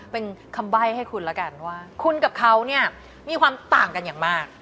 เป็นคำใบ้ให้คุณแล้วกันว่าคุณกับเขาเนี่ยมีความต่างกันอย่างมาก